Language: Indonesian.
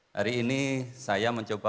hari ini saya mencoba